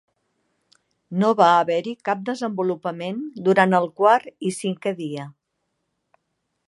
No va haver-hi cap desenvolupament durant el quart i cinquè dia.